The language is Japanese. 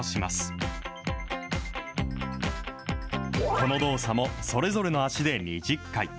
この動作もそれぞれの脚で２０回。